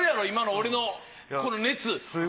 今の俺のこの熱。